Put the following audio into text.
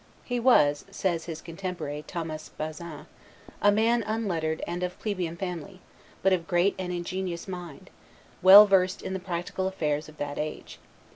"He was," says his contemporary, Thomas Basin, "a man unlettered and of plebeian family, but of great and ingenious mind, well versed in the practical affairs of that age.